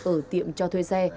ở tiệm cho thuê xe